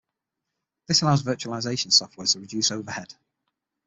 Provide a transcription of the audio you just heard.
This allows virtualization software to reduce overhead.